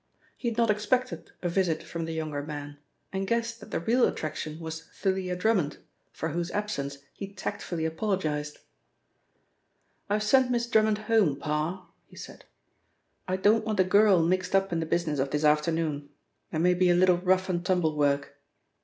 He had not expected a visit from the younger man, and guessed that the real attraction was Thalia Drummond, for whose absence he tactfully apologised. "I've sent Miss Drummond home, Parr," he said. "I don't want a girl mixed up in the business of this afternoon. There may be a little rough and tumble work."